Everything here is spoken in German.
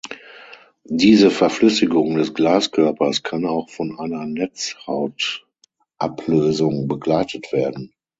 Diese Verflüssigung des Glaskörpers kann auch von einer Netzhautablösung begleitet werden.